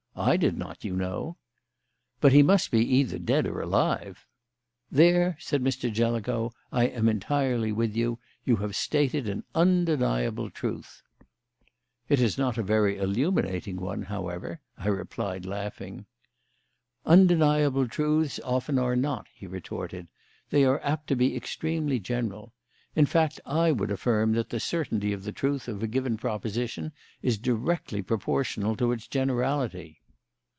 I did not, you know." "But he must be either dead or alive." "There," said Mr. Jellicoe, "I am entirely with you. You have stated an undeniable truth." "It is not a very illuminating one, however," I replied, laughing. "Undeniable truths often are not," he retorted. "They are apt to be extremely general. In fact, I would affirm that the certainty of the truth of a given proposition is directly proportional to its generality."